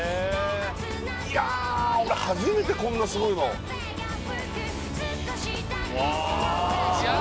いやあ俺初めてこんなすごいのうわあ